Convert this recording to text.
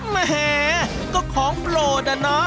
แม่ก็ของโปรดน่ะเนอะ